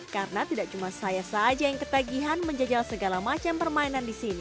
karena tidak cuma saya saja yang ketagihan menjajal segala macam permainan di sini